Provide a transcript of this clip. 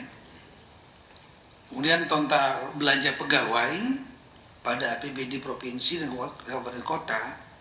kemudian total belanja pegawai pada apbd provinsi dan kabupaten kota